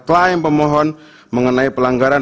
klaim pemohon mengenai pelanggaran